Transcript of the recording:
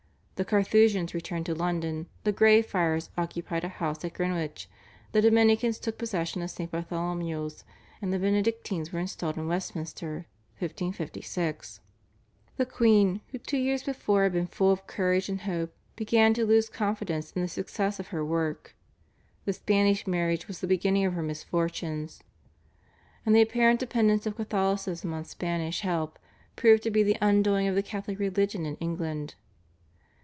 The Carthusians returned to London, the Grey Friars occupied a house at Greenwich, the Dominicans took possession of St. Bartholomew's, and the Benedictines were installed in Westminster (1556). The queen, who two years before had been full of courage and hope, began to lose confidence in the success of her work. The Spanish marriage was the beginning of her misfortunes, and the apparent dependence of Catholicism on Spanish help proved to be the undoing of the Catholic religion in England.